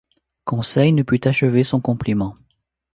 Conseil ne put achever son compliment.